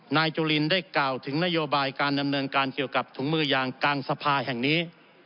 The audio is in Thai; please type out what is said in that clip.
จุลินได้กล่าวถึงนโยบายการดำเนินการเกี่ยวกับถุงมือยางกลางสภาแห่งนี้